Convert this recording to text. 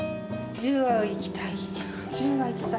１０はいきたい。